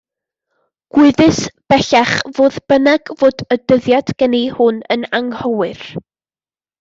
Gwyddys, bellach, fodd bynnag fod y dyddiad geni hwn yn anghywir.